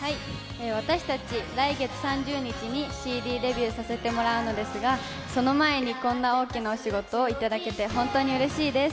私たち、来月３０日にＣＤデビューをさせてもらうのですがその前にこんな大きなお仕事をいただけて本当にうれしいです。